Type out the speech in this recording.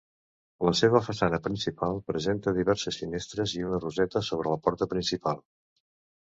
La seva façana principal presenta diverses finestres i una roseta sobre la porta principal.